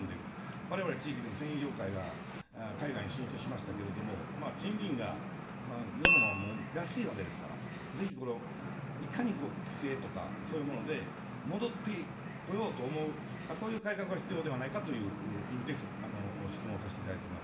われわれ地域の繊維業界が海外に進出しましたけれども、賃金が日本はもう、安いわけですから、ぜひ、これいかに規制とか、そういうもので戻ってこようと思う、そういう改革が必要ではないかという意味で、質問させていただいております。